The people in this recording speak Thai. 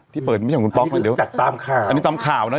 ที่เปิดไม่ใช่ของคุณป๊อกนะเดี๋ยวอันนี้ตามข่าวนะ